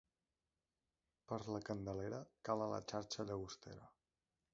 Per la Candelera cala la xarxa llagostera.